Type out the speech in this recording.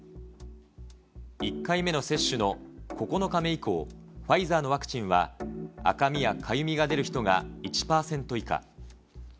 １回目の接種の９日目以降、ファイザーのワクチンは赤みやかゆみが出る人が１％以下。